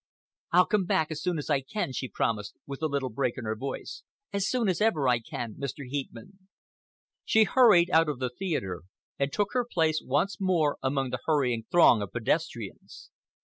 "I'll come back as soon as I can," she promised, with a little break in her voice,—"as soon as ever I can, Mr. Heepman." She hurried out of the theatre and took her place once more among the hurrying throng of pedestrians.